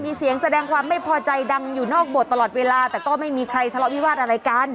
มีเสียงแสดงความไม่พอใจดังอยู่นอกบทตลอดเวลาแต่ก็ไม่มีใครทะเลาะวิวาสอะไรกัน